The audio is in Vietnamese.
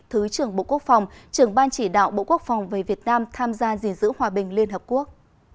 thứ trưởng bộ quốc phòng trưởng ban chỉ đạo bộ quốc phòng về việt nam tham gia gìn giữ hòa bình liên hợp quốc